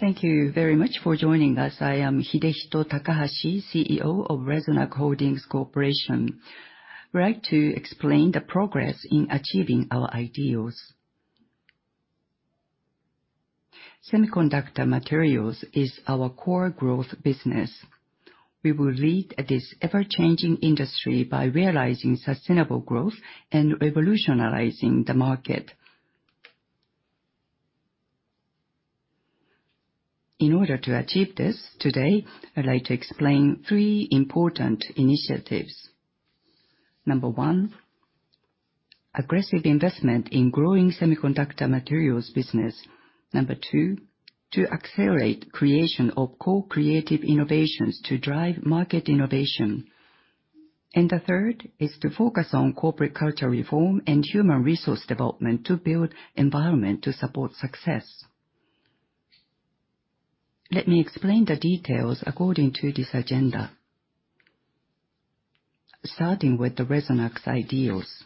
Thank you very much for joining us. I am Hidehito Takahashi, CEO of Resonac Holdings Corporation. I would like to explain the progress in achieving our ideals. Semiconductor materials is our core growth business. We will lead this ever-changing industry by realizing sustainable growth and revolutionizing the market. In order to achieve this, today, I would like to explain three important initiatives. Number one, aggressive investment in growing semiconductor materials business. Number two, to accelerate creation of co-creative innovations to drive market innovation. The third is to focus on corporate culture reform and human resource development to build environment to support success. Let me explain the details according to this agenda. Starting with the Resonac's ideals.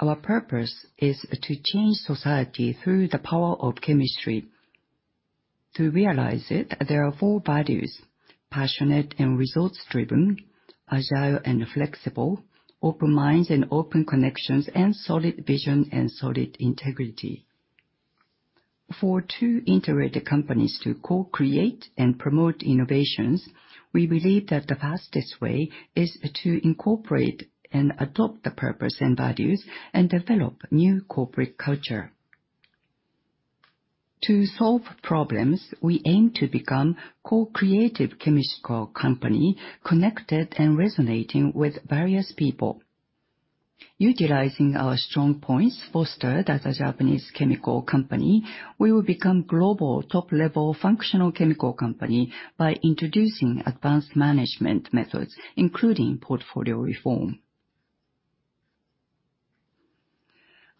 Our purpose is to change society through the power of chemistry. To realize it, there are four values: passionate and results-driven, agile and flexible, open minds and open connections, and solid vision and solid integrity. For two integrated companies to co-create and promote innovations, we believe that the fastest way is to incorporate and adopt the purpose and values and develop new corporate culture. To solve problems, we aim to become co-creative chemical company, connected and resonating with various people. Utilizing our strong points fostered as a Japanese chemical company, we will become global top-level functional chemical company by introducing advanced management methods, including portfolio reform.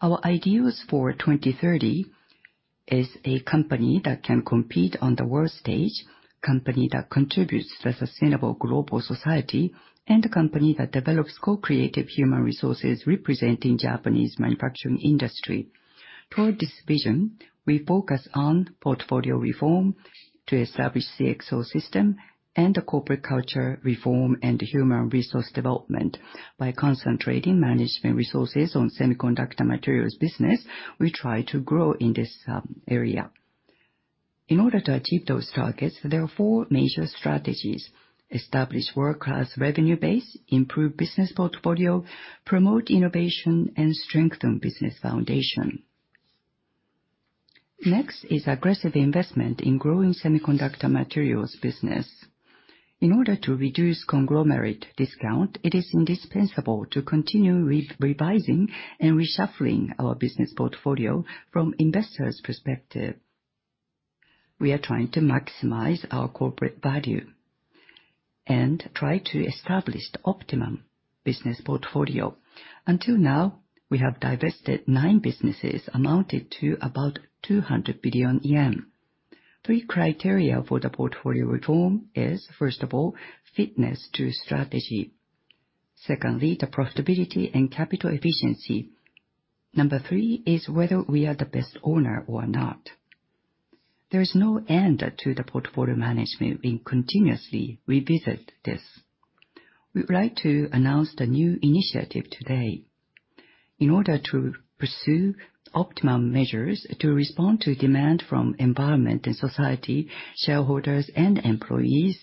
Our ideals for 2030 is a company that can compete on the world stage, company that contributes to sustainable global society, and a company that develops co-creative human resources representing Japanese manufacturing industry. Toward this vision, we focus on portfolio reform to establish the CXO system and the corporate culture reform and human resource development. By concentrating management resources on semiconductor materials business, we try to grow in this area. In order to achieve those targets, there are four major strategies: establish workers' revenue base, improve business portfolio, promote innovation, and strengthen business foundation. Next is aggressive investment in growing semiconductor materials business. In order to reduce conglomerate discount, it is indispensable to continue with revising and reshuffling our business portfolio from investors' perspective. We are trying to maximize our corporate value and try to establish the optimum business portfolio. Until now, we have divested nine businesses amounted to about 200 billion yen. Three criteria for the portfolio reform is, first of all, fitness to strategy. Secondly, the profitability and capital efficiency. Number three is whether we are the best owner or not. There is no end to the portfolio management. We continuously revisit this. We would like to announce the new initiative today. In order to pursue optimum measures to respond to demand from environment and society, shareholders and employees,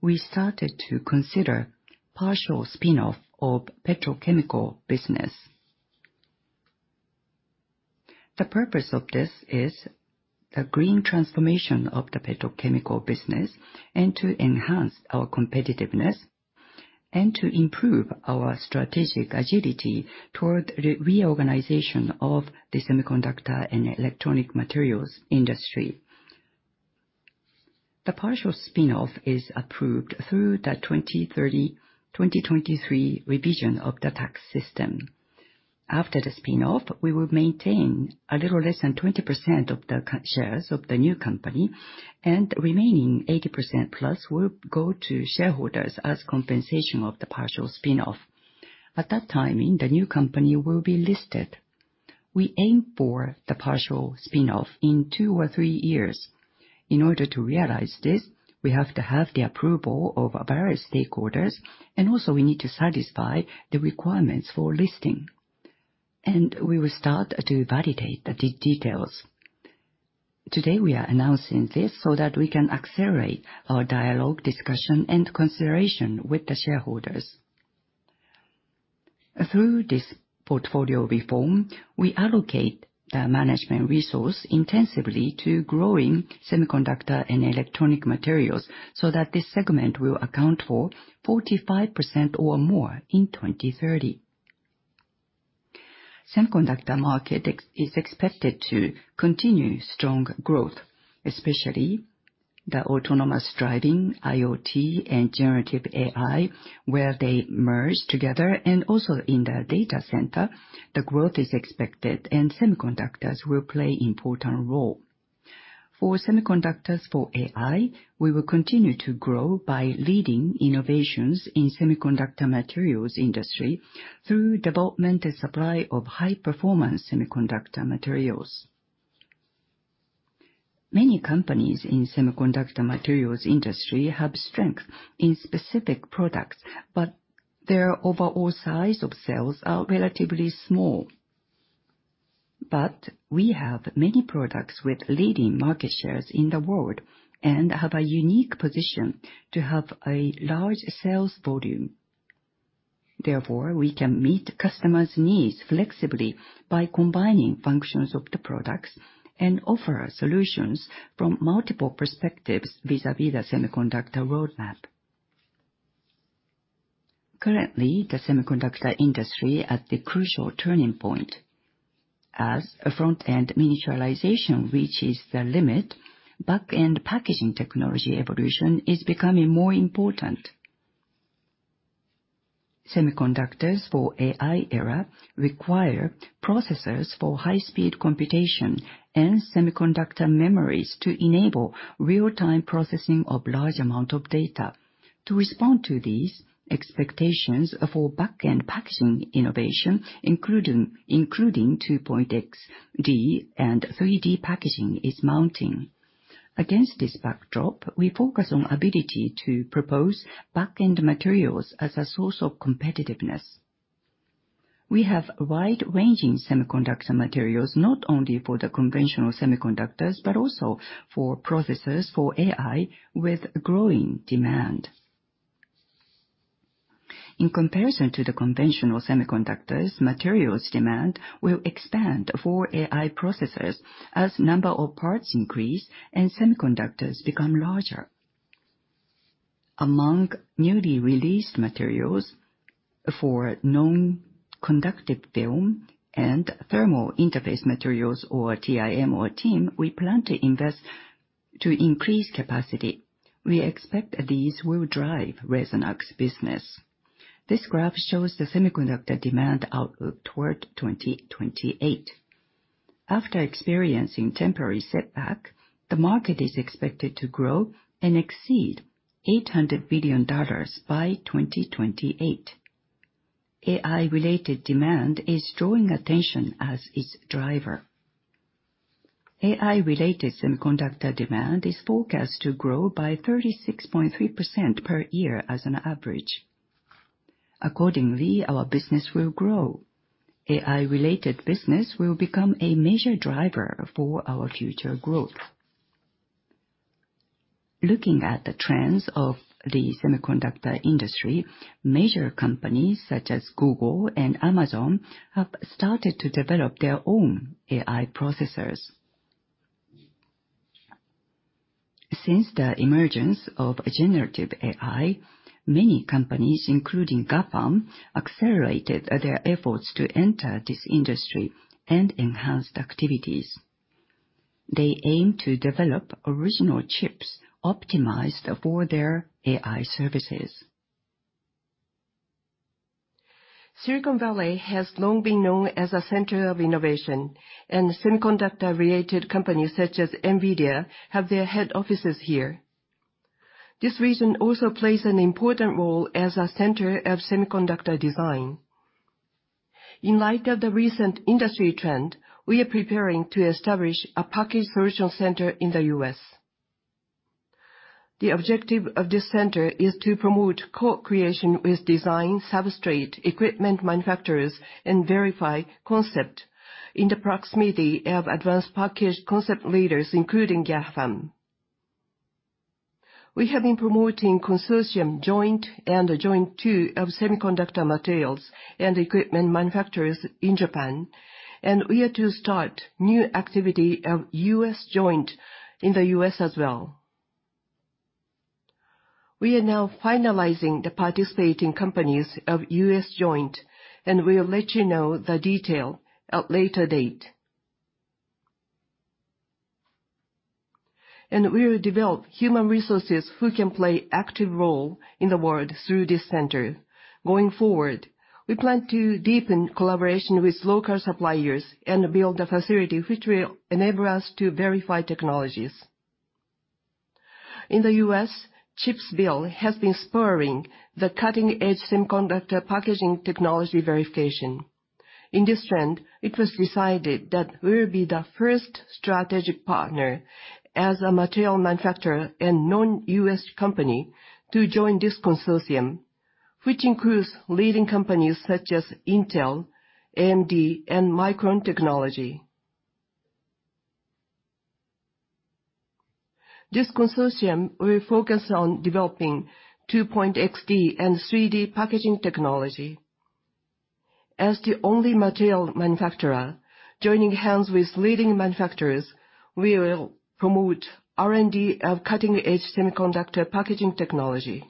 we started to consider partial spinoff of petrochemical business. The purpose of this is the green transformation of the petrochemical business, to enhance our competitiveness, and to improve our strategic agility toward reorganization of the semiconductor and electronic materials industry. The partial spinoff is approved through the 2030-2023 revision of the tax system. After the spinoff, we will maintain a little less than 20% of the shares of the new company, and remaining 80%-plus will go to shareholders as compensation of the partial spinoff. At that timing, the new company will be listed. We aim for the partial spinoff in two or three years. In order to realize this, we have to have the approval of our various stakeholders, and also we need to satisfy the requirements for listing. We will start to validate the details. Today, we are announcing this so that we can accelerate our dialogue, discussion, and consideration with the shareholders. Through this portfolio reform, we allocate the management resource intensively to growing semiconductor and electronic materials, so that this segment will account for 45% or more in 2030. Semiconductor market is expected to continue strong growth, especially the autonomous driving, IoT, and generative AI, where they merge together, and also in the data center, the growth is expected and semiconductors will play important role. For semiconductors for AI, we will continue to grow by leading innovations in semiconductor materials industry through development and supply of high-performance semiconductor materials. Many companies in semiconductor materials industry have strength in specific products, but their overall size of sales are relatively small. We have many products with leading market shares in the world, and have a unique position to have a large sales volume. Therefore, we can meet customers' needs flexibly by combining functions of the products and offer solutions from multiple perspectives vis-a-vis the semiconductor roadmap. Currently, the semiconductor industry at the crucial turning point. As a front-end miniaturization reaches the limit, back-end packaging technology evolution is becoming more important. Semiconductors for AI era require processors for high-speed computation and semiconductor memories to enable real-time processing of large amount of data. To respond to these expectations for back-end packaging innovation, including 2.5D and 3D packaging, is mounting. Against this backdrop, we focus on ability to propose back-end materials as a source of competitiveness. We have wide-ranging semiconductor materials, not only for the conventional semiconductors, but also for processors for AI with growing demand. In comparison to the conventional semiconductors, materials demand will expand for AI processors as number of parts increase and semiconductors become larger. Among newly released materials, for non-conductive film and thermal interface materials, or TIM, we plan to invest to increase capacity. We expect these will drive Resonac's business. This graph shows the semiconductor demand outlook toward 2028. After experiencing temporary setback, the market is expected to grow and exceed $800 billion by 2028. AI-related demand is drawing attention as its driver. AI-related semiconductor demand is forecast to grow by 36.3% per year as an average. Accordingly, our business will grow. AI-related business will become a major driver for our future growth. Looking at the trends of the semiconductor industry, major companies such as Google and Amazon have started to develop their own AI processors. Since the emergence of generative AI, many companies, including GAFAM, accelerated their efforts to enter this industry and enhanced activities. They aim to develop original chips optimized for their AI services. Silicon Valley has long been known as a center of innovation, and semiconductor-related companies such as Nvidia have their head offices here. This region also plays an important role as a center of semiconductor design. In light of the recent industry trend, we are preparing to establish a Packaging Solution Center in the U.S. The objective of this center is to promote co-creation with design, substrate, equipment manufacturers, and verify concept in the proximity of advanced package concept leaders, including GAFAM. We have been promoting consortium JOINT and JOINT2 of semiconductor materials and equipment manufacturers in Japan. We are to start new activity of US-JOINT in the U.S. as well. We are now finalizing the participating companies of US-JOINT, and we will let you know the detail at later date. We will develop human resources who can play active role in the world through this center. Going forward, we plan to deepen collaboration with local suppliers and build a facility which will enable us to verify technologies. In the U.S., CHIPS bill has been spurring the cutting-edge semiconductor packaging technology verification. In this trend, it was decided that we will be the first strategic partner as a material manufacturer and non-U.S. company to join this consortium, which includes leading companies such as Intel, AMD, and Micron Technology. This consortium will focus on developing 2.x D and 3D packaging technology. As the only material manufacturer joining hands with leading manufacturers, we will promote R&D of cutting-edge semiconductor packaging technology.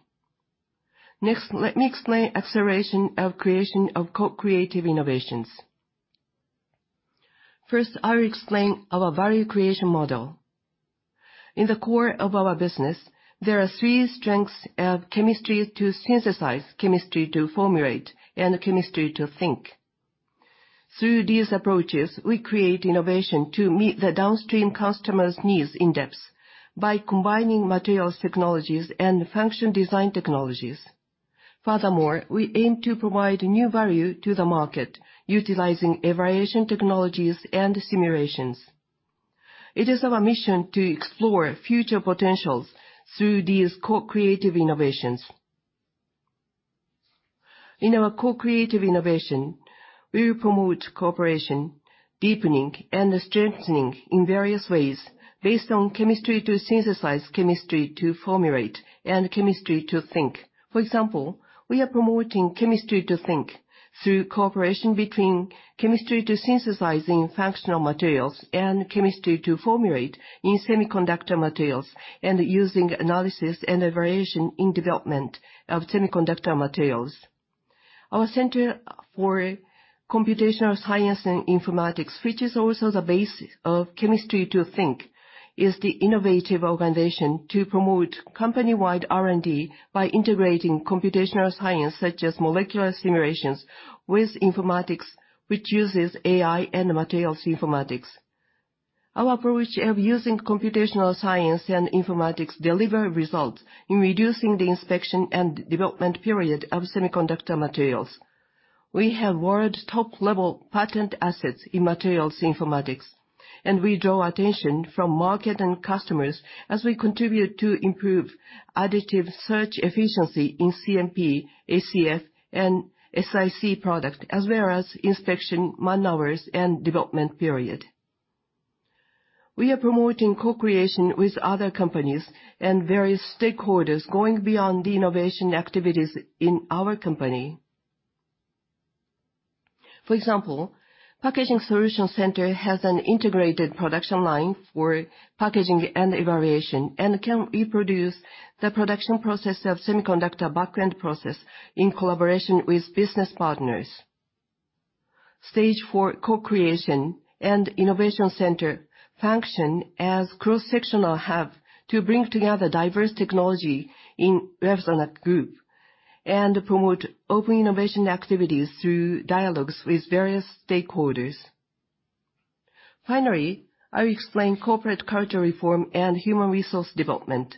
Next, let me explain acceleration of creation of co-creative innovations. First, I'll explain our value creation model. In the core of our business, there are three strengths of chemistry to synthesize, chemistry to formulate, and chemistry to think. Through these approaches, we create innovation to meet the downstream customers' needs in depth by combining materials technologies and function design technologies. We aim to provide new value to the market utilizing evaluation technologies and simulations. It is our mission to explore future potentials through these co-creative innovations. In our co-creative innovation, we will promote cooperation, deepening, and strengthening in various ways based on chemistry to synthesize, chemistry to formulate, and chemistry to think. For example, we are promoting chemistry to think through cooperation between chemistry to synthesizing functional materials, and chemistry to formulate in semiconductor materials, and using analysis and evaluation in development of semiconductor materials. Our Research Center for Computational Science and Informatics, which is also the base of chemistry to think, is the innovative organization to promote company-wide R&D by integrating computational science, such as molecular simulations with informatics, which uses AI and materials informatics. Our approach of using computational science and informatics deliver results in reducing the inspection and development period of semiconductor materials. We have world top-level patent assets in materials informatics, and we draw attention from market and customers as we contribute to improve additive search efficiency in CMP, ACF, and SiC product, as well as inspection man-hours and development period. We are promoting co-creation with other companies and various stakeholders, going beyond the innovation activities in our company. For example, Packaging Solution Center has an integrated production line for packaging and evaluation and can reproduce the production process of semiconductor back-end process in collaboration with business partners. Stage for Co-creation and innovation center function as cross-sectional hub to bring together diverse technology in Resonac Group and promote open innovation activities through dialogues with various stakeholders. Finally, I will explain corporate culture reform and human resource development.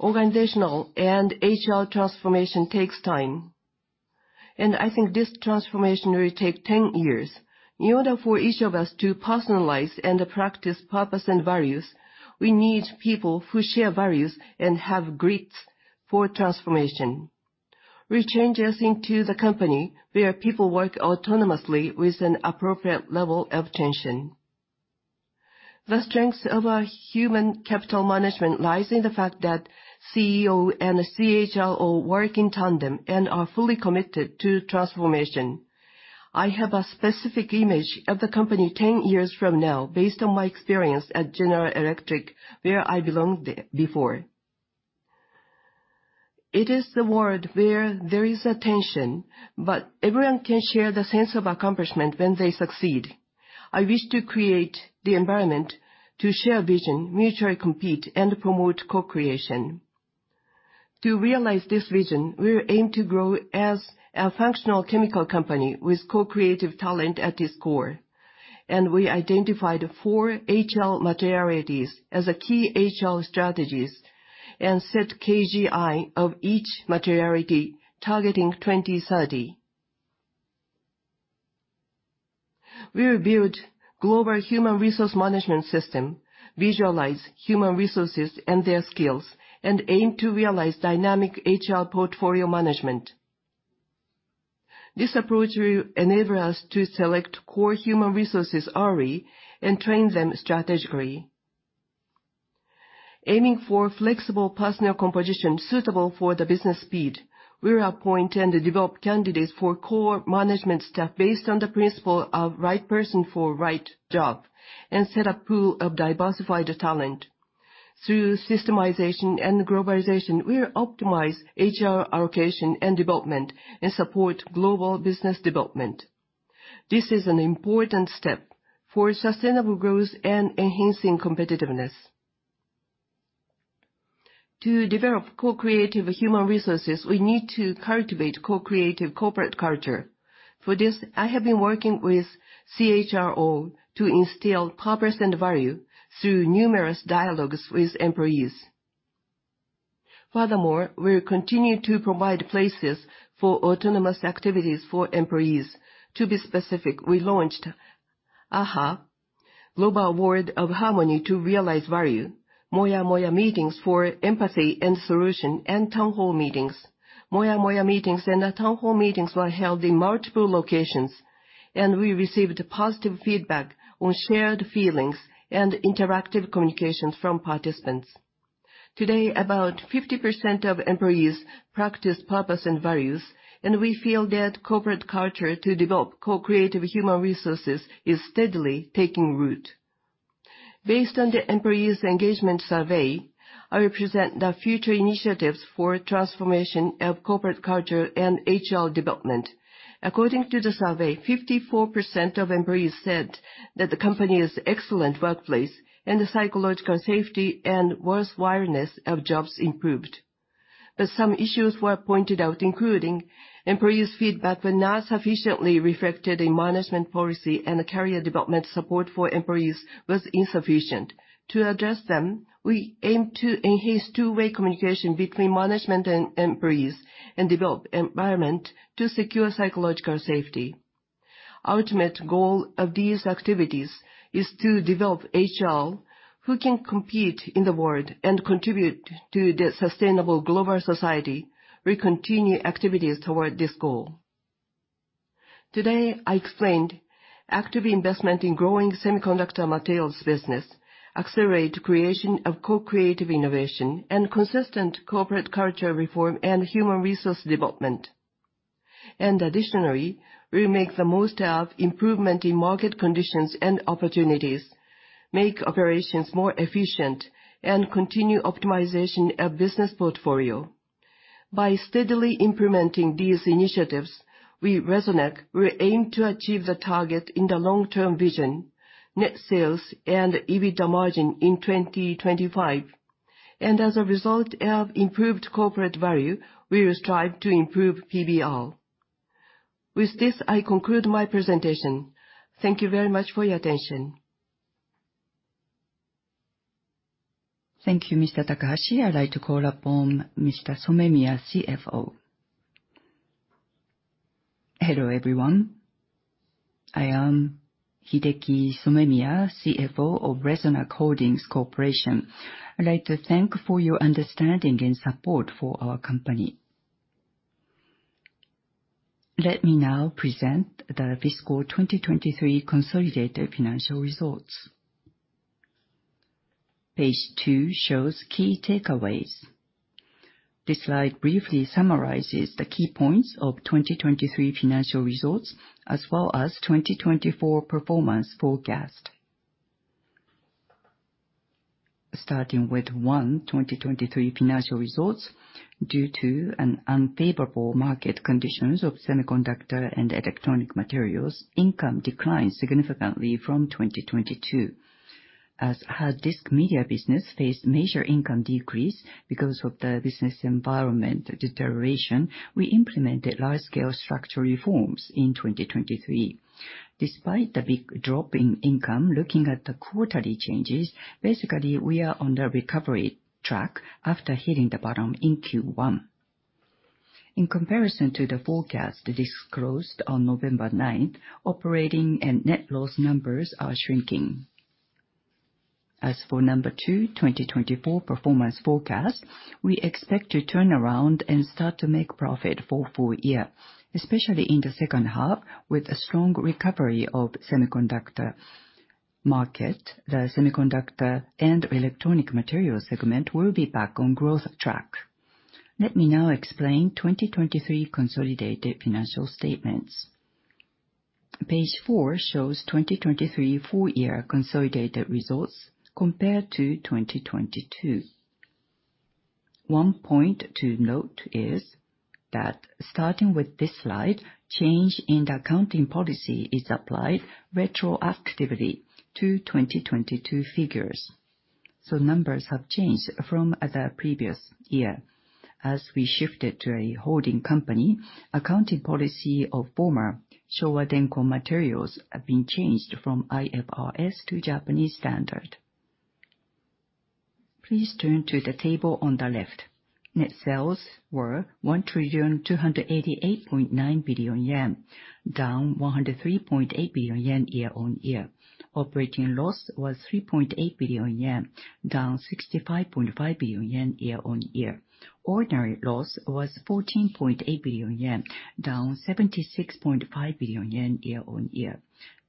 Organizational and HR transformation takes time, and I think this transformation will take 10 years. In order for each of us to personalize and practice purpose and values, we need people who share values and have grits for transformation. We change us into the company where people work autonomously with an appropriate level of tension. The strength of our human capital management lies in the fact that CEO and CHRO work in tandem and are fully committed to transformation. I have a specific image of the company 10 years from now based on my experience at General Electric, where I belonged before. It is the world where there is a tension, but everyone can share the sense of accomplishment when they succeed. I wish to create the environment to share vision, mutually compete, and promote co-creation. To realize this vision, we will aim to grow as a functional chemical company with co-creative talent at its core, and we identified four HR materialities as a key HR strategies and set KGI of each materiality targeting 2030. We reviewed global human resource management system, visualize human resources and their skills, and aim to realize dynamic HR portfolio management. This approach will enable us to select core human resources early and train them strategically. Aiming for flexible personnel composition suitable for the business speed, we appoint and develop candidates for core management staff based on the principle of right person for right job and set a pool of diversified talent. Through systemization and globalization, we optimize HR allocation and development and support global business development. This is an important step for sustainable growth and enhancing competitiveness. To develop co-creative human resources, we need to cultivate co-creative corporate culture. For this, I have been working with CHRO to instill purpose and value through numerous dialogues with employees. Furthermore, we will continue to provide places for autonomous activities for employees. To be specific, we launched AHA! Global Award of Harmony to realize value, Moya-Moya Meetings for empathy and solution, and town hall meetings. Moya-Moya Meetings and the town hall meetings were held in multiple locations, and we received positive feedback on shared feelings and interactive communications from participants. Today, about 50% of employees practice purpose and values, and we feel that corporate culture to develop co-creative human resources is steadily taking root. Based on the employees' engagement survey, I represent the future initiatives for transformation of corporate culture and HR development. According to the survey, 54% of employees said that the company is excellent workplace and the psychological safety and worthwhileness of jobs improved. Some issues were pointed out, including employees' feedback were not sufficiently reflected in management policy, and career development support for employees was insufficient. To address them, we aim to enhance two-way communication between management and employees and develop environment to secure psychological safety. Ultimate goal of these activities is to develop HR who can compete in the world and contribute to the sustainable global society. We continue activities toward this goal. Today, I explained active investment in growing semiconductor materials business, accelerate creation of co-creative innovation, and consistent corporate culture reform and human resource development. Additionally, we make the most of improvement in market conditions and opportunities, make operations more efficient, and continue optimization of business portfolio. By steadily implementing these initiatives, we at Resonac will aim to achieve the target in the long-term vision, net sales and EBITDA margin in 2025. As a result of improved corporate value, we will strive to improve PBR. With this, I conclude my presentation. Thank you very much for your attention. Thank you, Mr. Takahashi. I'd like to call upon Mr. Somemiya, CFO. Hello, everyone. I am Hideki Somemiya, CFO of Resonac Holdings Corporation. I'd like to thank for your understanding and support for our company. Let me now present the fiscal 2023 consolidated financial results. Page two shows key takeaways. This slide briefly summarizes the key points of 2023 financial results, as well as 2024 performance forecast. Starting with one, 2023 financial results. Due to an unfavorable market conditions of semiconductor and electronic materials, income declined significantly from 2022. As hard disk media business faced major income decrease because of the business environment deterioration, we implemented large-scale structural reforms in 2023. Despite the big drop in income, looking at the quarterly changes, basically, we are on the recovery track after hitting the bottom in Q1. In comparison to the forecast disclosed on November 9th, operating and net loss numbers are shrinking. As for number two, 2024 performance forecast, we expect to turn around and start to make profit for full year, especially in the second half with a strong recovery of semiconductor market, the semiconductor and electronic materials segment will be back on growth track. Let me now explain 2023 consolidated financial statements. Page four shows 2023 full-year consolidated results compared to 2022. One point to note is that starting with this slide, change in the accounting policy is applied retroactively to 2022 figures. So numbers have changed from the previous year. As we shifted to a holding company, accounting policy of former Showa Denko Materials have been changed from IFRS to Japanese standard. Please turn to the table on the left. Net sales were 1,288,900,000,000 yen, down 103,800,000,000 yen year-on-year. Operating loss was 3,800,000,000 yen, down 65,500,000,000 yen year-on-year. Ordinary loss was 14,800,000,000 yen, down 76,500,000,000 yen year-on-year.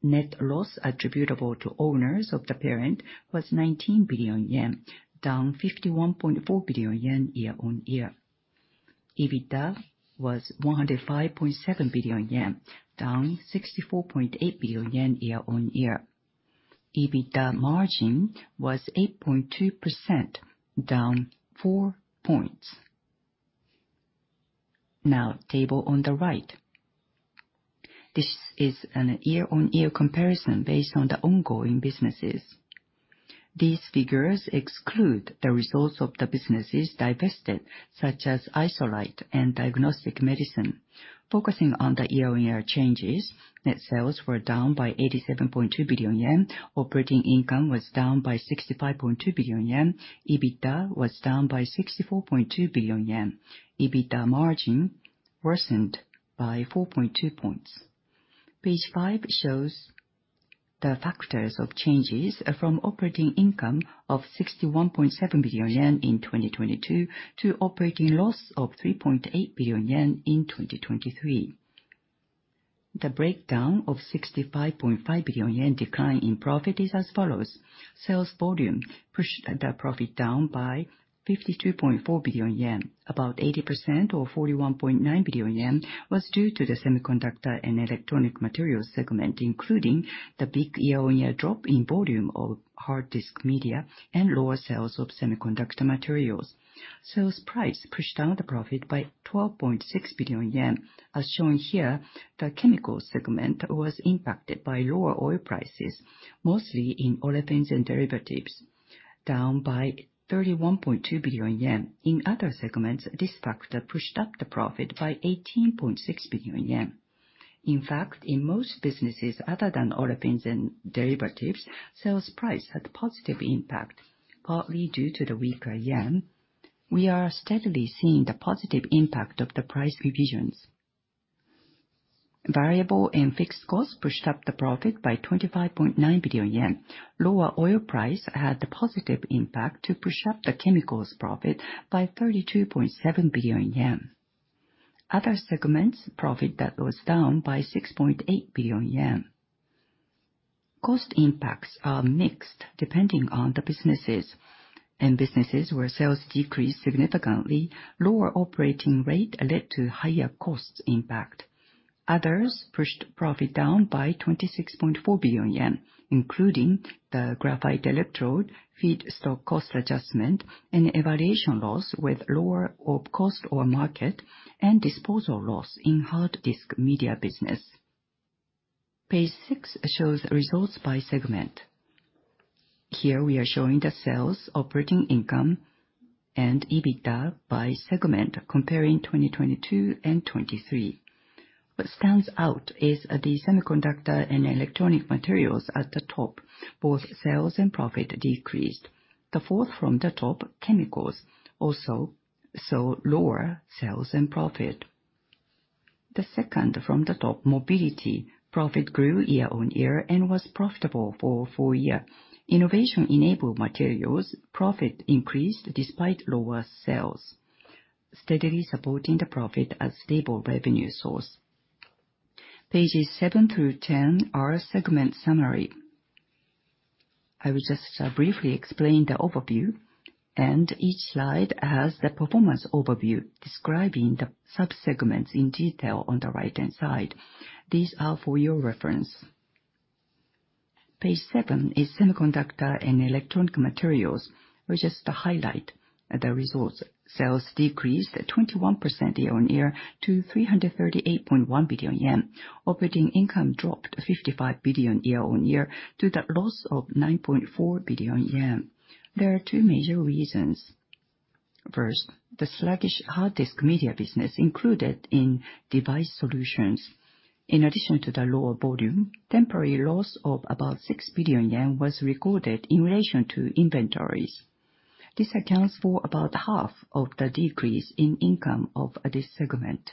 Net loss attributable to owners of the parent was 19,000,000,000 yen, down 51,400,000,000 yen year-on-year. EBITDA was 105,700,000,000 yen, down 64,800,000,000 yen year-on-year. EBITDA margin was 8.2%, down four points. Now, table on the right. This is a year-on-year comparison based on the ongoing businesses. These figures exclude the results of the businesses divested, such as ISOLITE and diagnostic medicine. Focusing on the year-on-year changes, net sales were down by 87,200,000,000 yen, operating income was down by 65,200,000,000 yen, EBITDA was down by 64,200,000,000 yen. EBITDA margin worsened by 4.2 points. Page five shows the factors of changes from operating income of 61,700,000,000 yen in 2022 to operating loss of 3,800,000,000 yen in 2023. The breakdown of 65,500,000,000 yen decline in profit is as follows. Sales volume pushed the profit down by 52.4 billion yen. About 80% or 41.9 billion yen was due to the Semiconductor and Electronic Materials segment, including the big year-on-year drop in volume of hard disk media and lower sales of semiconductor materials. Sales price pushed down the profit by 12.6 billion yen. As shown here, the Chemicals segment was impacted by lower oil prices, mostly in olefins and derivatives, down by 31.2 billion yen. In other segments, this factor pushed up the profit by 18.6 billion yen. In fact, in most businesses other than olefins and derivatives, sales price had positive impact, partly due to the weaker JPY. We are steadily seeing the positive impact of the price revisions. Variable and fixed costs pushed up the profit by 25.9 billion yen. Lower oil price had the positive impact to push up the Chemicals profit by 32.7 billion yen. Other segments, profit that was down by 6.8 billion yen. Cost impacts are mixed depending on the businesses. In businesses where sales decreased significantly, lower operating rate led to higher costs impact. Others pushed profit down by 26.4 billion yen, including the graphite electrode, feedstock cost adjustment, and evaluation loss with lower cost or market, and disposal loss in hard disk media business. Page six shows results by segment. Here we are showing the sales, operating income, and EBITDA by segment, comparing 2022 and 2023. What stands out is the Semiconductor and Electronic Materials at the top, both sales and profit decreased. The fourth from the top, Chemicals, also saw lower sales and profit. The second from the top, Mobility, profit grew year on year and was profitable for a full year. Innovation Enabling Materials profit increased despite lower sales, steadily supporting the profit as stable revenue source. Pages seven through 10 are segment summary. I will just briefly explain the overview. Each slide has the performance overview describing the sub-segments in detail on the right-hand side. These are for your reference. Page seven is Semiconductor and Electronic Materials, which is the highlight. The results, sales decreased 21% year on year to 338.1 billion yen. Operating income dropped 55 billion year on year to the loss of 9.4 billion yen. There are two major reasons. First, the sluggish hard disk media business included in device solutions. In addition to the lower volume, temporary loss of about 6 billion yen was recorded in relation to inventories. This accounts for about half of the decrease in income of this segment.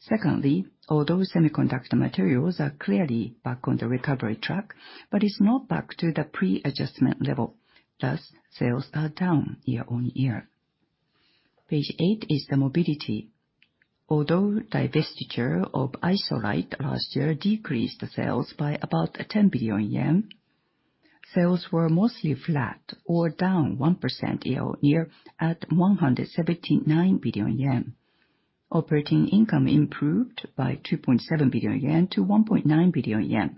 Secondly, although semiconductor materials are clearly back on the recovery track, it's not back to the pre-adjustment level. Thus, sales are down year on year. Page eight is the Mobility. Although divestiture of ISOLITE last year decreased the sales by about 10 billion yen, sales were mostly flat or down 1% year on year at 179 billion yen. Operating income improved by 2.7 billion yen to 1.9 billion yen.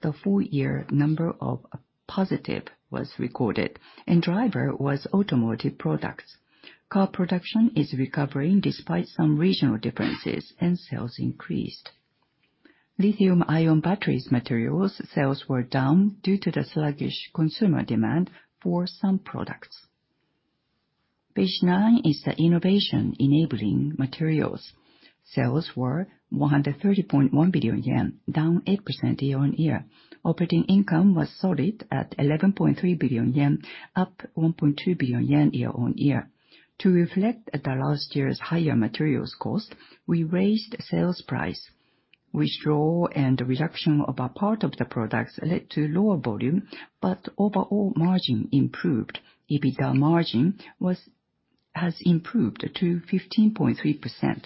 The full year number of positive was recorded. Driver was automotive products. Car production is recovering despite some regional differences. Sales increased. Lithium-ion batteries materials sales were down due to the sluggish consumer demand for some products. Page nine is the Innovation Enabling Materials. Sales were 130.1 billion yen, down 8% year on year. Operating income was solid at 11.3 billion yen, up 1.2 billion yen year on year. To reflect the last year's higher materials cost, we raised sales price. Withdrawal and reduction of a part of the products led to lower volume. Overall margin improved. EBITDA margin has improved to 15.3%.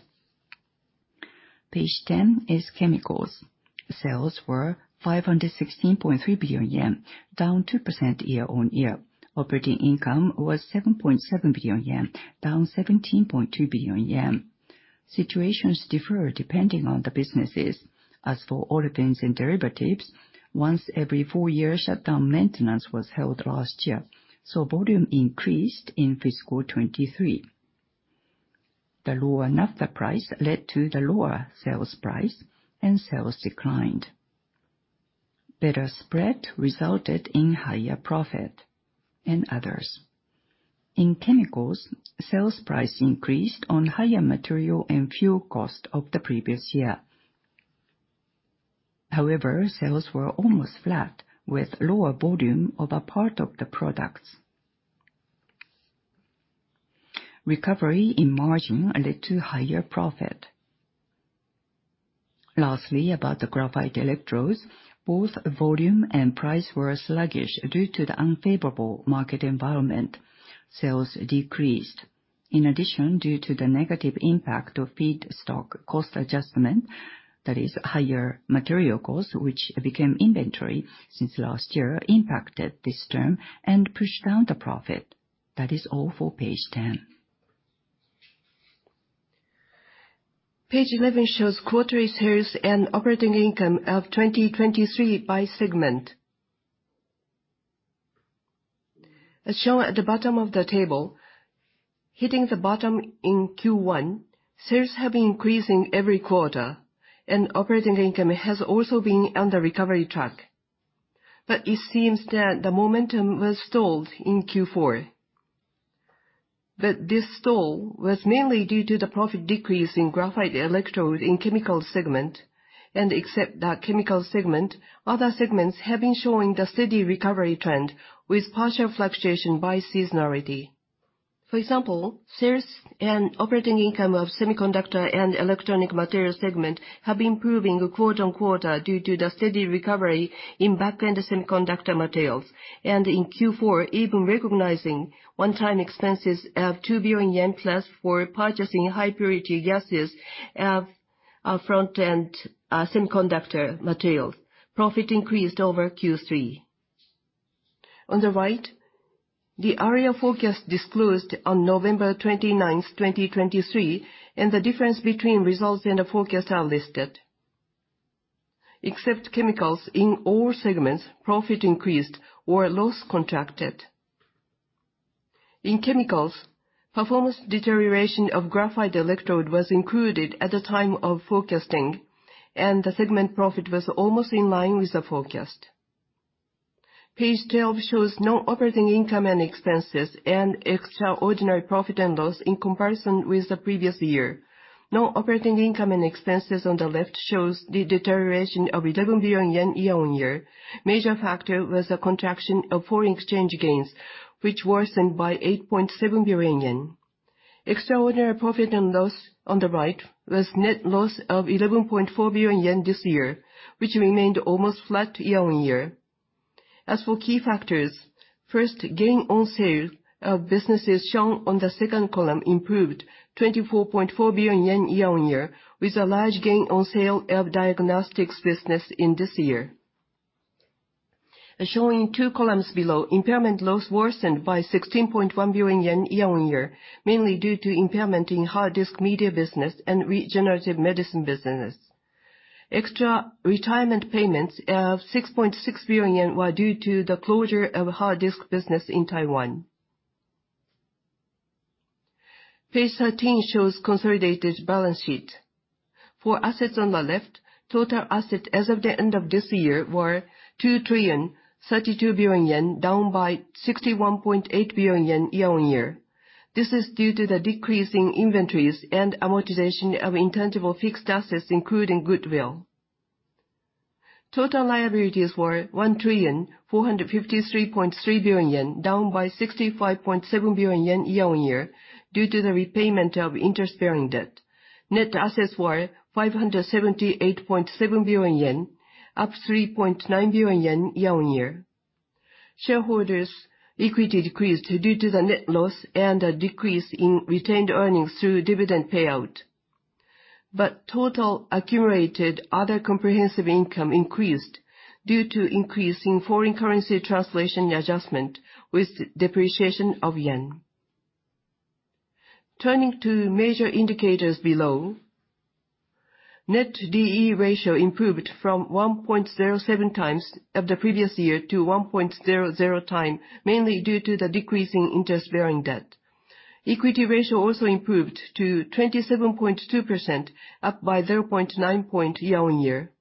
Page 10 is Chemicals. Sales were 516.3 billion yen, down 2% year-on-year. Operating income was 7.7 billion yen, down 17.2 billion yen. Situations differ depending on the businesses. As for olefins and derivatives, once every four-year shutdown maintenance was held last year, so volume increased in fiscal 2023. The lower Naphtha price led to the lower sales price, and sales declined. Better spread resulted in higher profit and others. In Chemicals, sales price increased on higher material and fuel cost of the previous year. Sales were almost flat, with lower volume of a part of the products. Recovery in margin led to higher profit. Lastly, about the graphite electrodes, both volume and price were sluggish due to the unfavorable market environment. Sales decreased. In addition, due to the negative impact of feedstock cost adjustment, that is higher material cost, which became inventory since last year impacted this term and pushed down the profit. That is all for page 10. Page 11 shows quarterly sales and operating income of 2023 by segment. As shown at the bottom of the table, hitting the bottom in Q1, sales have been increasing every quarter, and operating income has also been on the recovery track. It seems that the momentum was stalled in Q4. This stall was mainly due to the profit decrease in graphite electrode in Chemicals Segment. Except the Chemicals Segment, other segments have been showing the steady recovery trend with partial fluctuation by seasonality. For example, sales and operating income of Semiconductor and Electronic Material Segment have been improving quarter-on-quarter due to the steady recovery in back-end semiconductor materials. In Q4, even recognizing one-time expenses of 2 billion yen plus for purchasing high purity gases of front-end semiconductor materials, profit increased over Q3. On the right, the area forecast disclosed on November 29th, 2023, and the difference between results and the forecast are listed. Except Chemicals, in all segments, profit increased or loss contracted. In Chemicals, performance deterioration of graphite electrode was included at the time of forecasting, and the segment profit was almost in line with the forecast. Page 12 shows non-operating income and expenses and extraordinary profit and loss in comparison with the previous year. Non-operating income and expenses on the left shows the deterioration of 11 billion yen year-on-year. Major factor was a contraction of foreign exchange gains, which worsened by 8.7 billion yen. Extraordinary profit and loss on the right was net loss of 11.4 billion yen this year, which remained almost flat year-on-year. As for key factors, first, gain on sale of businesses shown on the second column improved 24.4 billion yen year-on-year, with a large gain on sale of diagnostics business in this year. As shown in two columns below, impairment loss worsened by 16.1 billion yen year-on-year, mainly due to impairment in hard disk media business and regenerative medicine business. Extra retirement payments of 6.6 billion were due to the closure of hard disk business in Taiwan. page 13 shows consolidated balance sheet. For assets on the left, total asset as of the end of this year were 2,032 billion yen, down by 61.8 billion yen year-on-year. This is due to the decrease in inventories and amortization of intangible fixed assets, including goodwill. Total liabilities were 1,453.3 billion yen, down by 65.7 billion yen year-on-year, due to the repayment of interest-bearing debt. Net assets were 578.7 billion yen, up 3.9 billion yen year-on-year. Shareholders' equity decreased due to the net loss and a decrease in retained earnings through dividend payout. Total accumulated other comprehensive income increased due to increase in foreign currency translation adjustment with depreciation of yen. Turning to major indicators below. Net D/E ratio improved from 1.07 times of the previous year to 1.00 time, mainly due to the decrease in interest-bearing debt. Equity ratio also improved to 27.2%, up by 0.9 point year-on-year.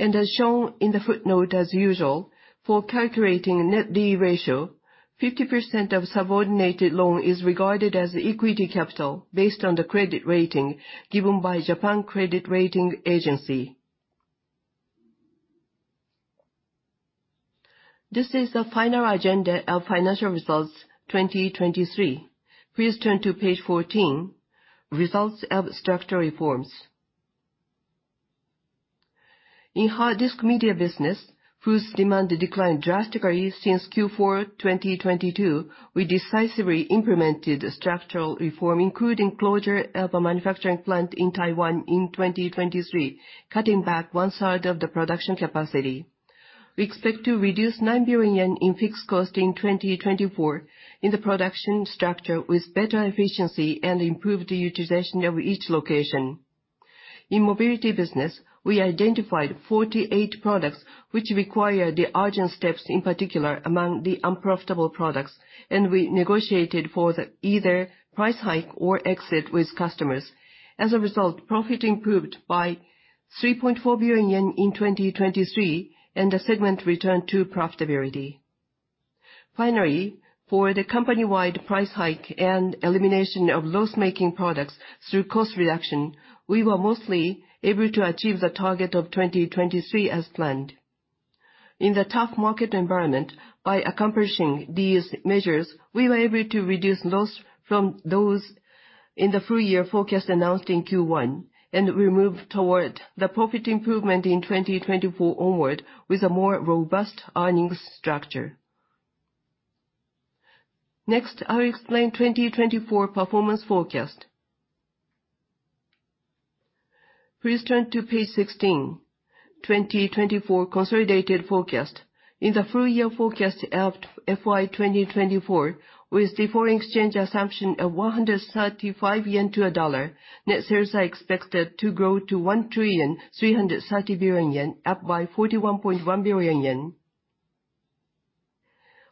As shown in the footnote, as usual, for calculating net D/E ratio, 50% of subordinated loan is regarded as equity capital based on the credit rating given by Japan Credit Rating Agency. This is the final agenda of financial results 2023. Please turn to page 14, results of structural reforms. In hard disk media business, whose demand declined drastically since Q4 2022, we decisively implemented a structural reform, including closure of a manufacturing plant in Taiwan in 2023, cutting back one-third of the production capacity. We expect to reduce 9 billion yen in fixed cost in 2024 in the production structure with better efficiency and improved utilization of each location. In mobility business, we identified 48 products which require the urgent steps, in particular, among the unprofitable products, and we negotiated for the either price hike or exit with customers. As a result, profit improved by 3.4 billion yen in 2023, and the segment returned to profitability. Finally, for the company-wide price hike and elimination of loss-making products through cost reduction, we were mostly able to achieve the target of 2023 as planned. In the tough market environment, by accomplishing these measures, we were able to reduce loss from those in the full-year forecast announced in Q1, and we move toward the profit improvement in 2024 onward with a more robust earnings structure. Next, I'll explain 2024 performance forecast. Please turn to page 16, 2024 consolidated forecast. In the full-year forecast of FY 2024, with the foreign exchange assumption of 135 yen to a dollar, net sales are expected to grow to 1,330 billion yen, up by 41.1 billion yen.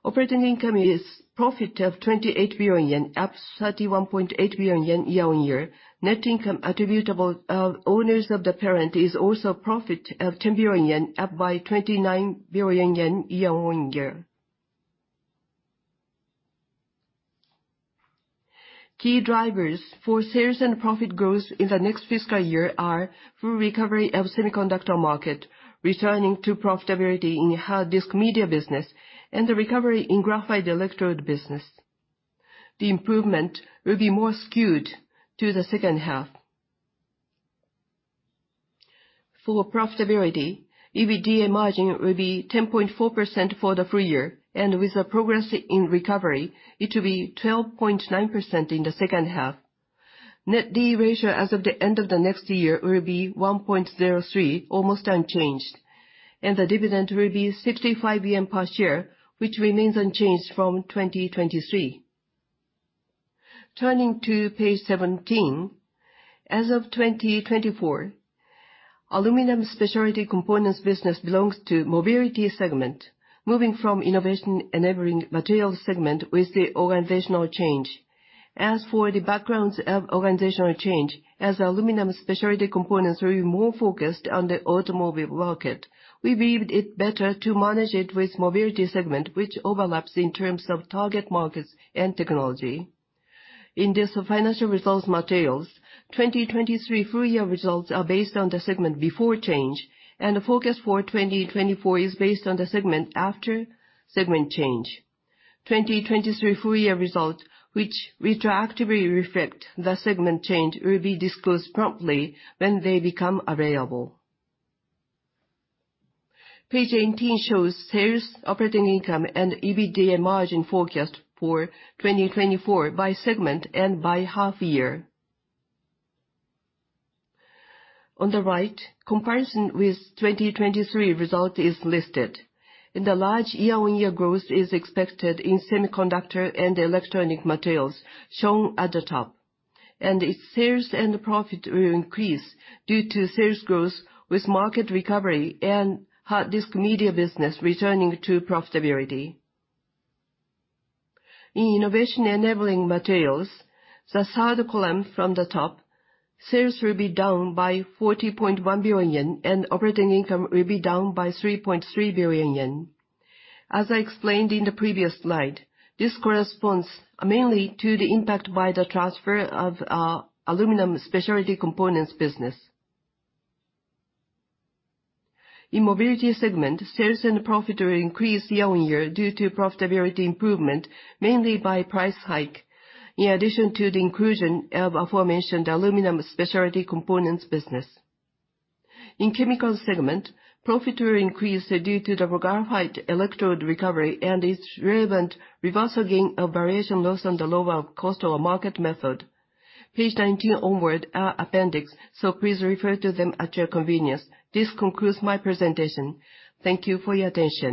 Operating income is profit of 28 billion yen, up 31.8 billion yen year-on-year. Net income attributable of owners of the parent is also profit of 10 billion yen, up by 29 billion yen year-on-year. Key drivers for sales and profit growth in the next fiscal year are full recovery of semiconductor market, returning to profitability in hard disk media business, and the recovery in graphite electrode business. The improvement will be more skewed to the second half. For profitability, EBITDA margin will be 10.4% for the full year, with the progress in recovery, it will be 12.9% in the second half. Net debt ratio as of the end of the next year will be 1.03, almost unchanged. The dividend will be 65 yen per share, which remains unchanged from 2023. Turning to page 17. As of 2024, aluminum specialty components business belongs to Mobility Segment, moving from Innovation Enabling Materials Segment with the organizational change. As for the backgrounds of organizational change, as aluminum specialty components will be more focused on the automobile market, we believed it better to manage it with Mobility Segment, which overlaps in terms of target markets and technology. In these financial results materials, 2023 full year results are based on the segment before change, the forecast for 2024 is based on the segment after segment change. 2023 full year results, which retroactively reflect the segment change, will be disclosed promptly when they become available. Page 18 shows sales, operating income, and EBITDA margin forecast for 2024 by segment and by half year. On the right, comparison with 2023 result is listed, the large year-on-year growth is expected in Semiconductor and Electronic Materials shown at the top. Its sales and profit will increase due to sales growth with market recovery and hard disk media business returning to profitability. In Innovation Enabling Materials, the third column from the top, sales will be down by 40.1 billion yen, operating income will be down by 3.3 billion yen. As I explained in the previous slide, this corresponds mainly to the impact by the transfer of our aluminum specialty components business. In Mobility Segment, sales and profit will increase year-on-year due to profitability improvement, mainly by price hike. In addition to the inclusion of aforementioned aluminum specialty components business. In Chemicals Segment, profit will increase due to the graphite electrode recovery and its relevant reversal gain of valuation loss on the lower cost or market method. Page 19 onward are appendix, please refer to them at your convenience. This concludes my presentation. Thank you for your attention.